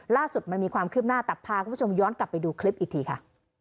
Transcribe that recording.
ล่าสุดมันมีความคืบหน้าแต่พาคุณผู้ชมย้อนกลับไปดูคลิปอีกทีค่ะ